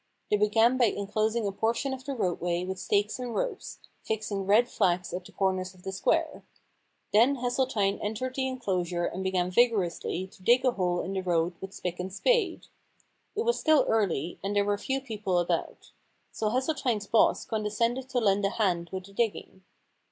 They began by enclosing a portion of the roadway with stakes and ropes, fixing red flags at the corners of the square. Then Hesseltine entered the enclosure and began vigorously to dig a hole in the road with pick and spade. It was still early, and there were few people about. So Hesseltine*s boss condescended to lend a hand with the digging.